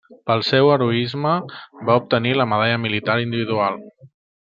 Pel seu heroisme, va obtenir la Medalla Militar Individual.